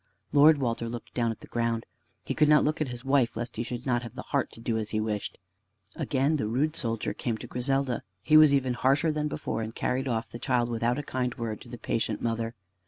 Lord Walter looked down to the ground. He could not look at his wife lest he should not have heart to do as he wished. Again the rude soldier came to Griselda. He was even harsher than before, and carried off the child without a kind word to the patient mother.